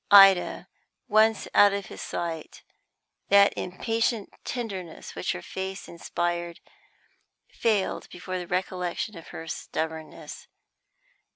Ida once out of his sight, that impatient tenderness which her face inspired failed before the recollection of her stubbornness.